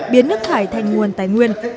biến nước thải thành nguồn tài nguyên